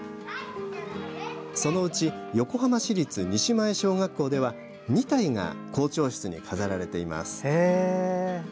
そのうち横浜市立西前小学校では２体が校長室に飾られています。